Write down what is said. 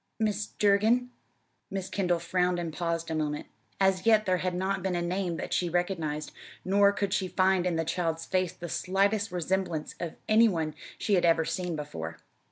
"Mis' Durgin." Miss Kendall frowned and paused a moment. As yet there had not been a name that she recognized, nor could she find in the child's face the slightest resemblance to any one she had ever seen before.